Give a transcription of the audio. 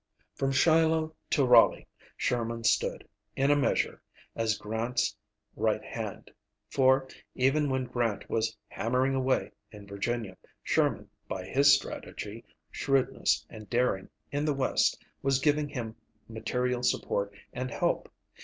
From Shiloh to Raleigh, Sherman stood, in a measure, as Grant's right hand, for, even when Grant was "hammering away" in Virginia, Sherman, by his strategy, shrewdness, and daring in the West was giving him material support and help.